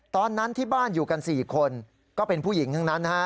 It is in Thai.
ตอนนั้นที่บ้านอยู่กัน๔คนก็เป็นผู้หญิงทั้งนั้นนะฮะ